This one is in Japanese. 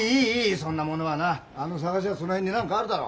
そんなものはな探せばその辺に何かあるだろ。